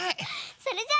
それじゃあ。